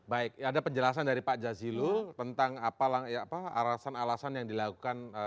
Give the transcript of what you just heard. baik ada penjelasan dari pak jazilul tentang alasan alasan yang dilakukan